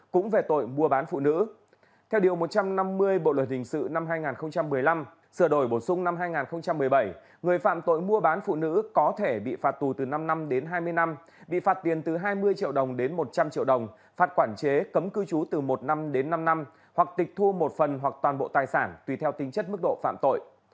cũng về tội mua bán phụ nữ theo điều một trăm năm mươi bộ luật hình sự năm hai nghìn một mươi năm sửa đổi bổ sung năm hai nghìn một mươi bảy người phạm tội mua bán phụ nữ có thể bị phạt tù từ năm năm đến hai mươi năm bị phạt tiền từ hai mươi triệu đồng đến một trăm linh triệu đồng phạt quản chế cấm cư trú từ một năm đến năm năm hoặc tịch thu một phần hoặc toàn bộ tài sản tùy theo tính chất mức độ phạm tội